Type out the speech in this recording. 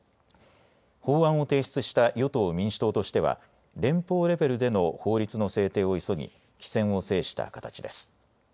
法案を提出した与党・民主党としては連邦レベルでの法律の制定を急ぎ機先を制した形です。